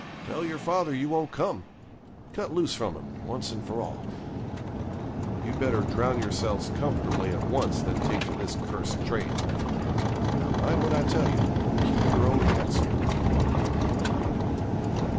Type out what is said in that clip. Tell your father you won't come; cut loose from him, once and for all. You'd better drown yourselves comfortably at once than take to this cursed trade. Now, mind what I tell you, and keep your own counsel.'